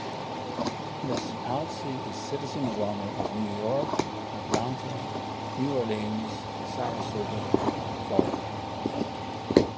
Miss Palcy is citizen of honour of New York, Atlanta, New Orleans, Sarasota, Fl.